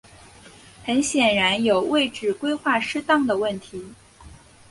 很显然有位置规划失当的问题。